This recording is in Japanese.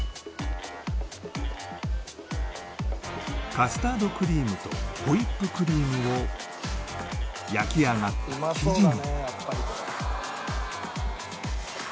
カスタードクリームとホイップクリームを焼き上がった生地に